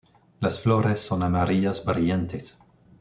Las flores son amarillas brillantes.